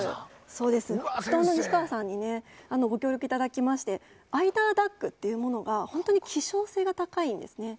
布団の西川さんにご協力いただきましてアイダーダックというのが希少性が高いんです。